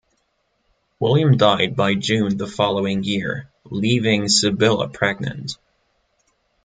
William died by June the following year, leaving Sibylla pregnant.